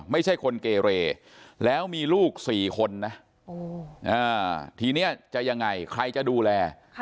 ไม่ใช่คนเกเรแล้วมีลูก๔คนนะทีนี้จะยังไงใครจะดูแล